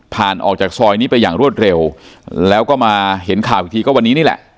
ออกจากซอยนี้ไปอย่างรวดเร็วแล้วก็มาเห็นข่าวอีกทีก็วันนี้นี่แหละ